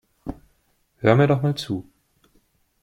Hör mir doch mal zu.